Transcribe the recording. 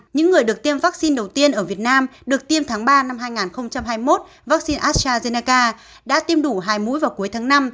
những người được tiêm vaccine đầu tiên ở việt nam được tiêm tháng ba năm hai nghìn hai mươi một vaccine astrazeneca đã tiêm đủ hai mũi vào cuối tháng năm